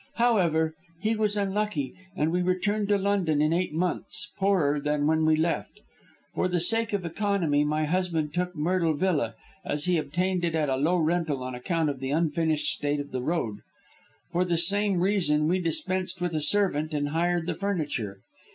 However, he was unlucky, and we returned to London in eight months poorer than when we left. For the sake of economy my husband took Myrtle Villa, as he obtained it at a low rental on account of the unfinished state of the road. For the same reason we dispensed with a servant and hired the furniture.